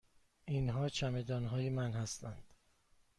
اینها چمدان های من هستند.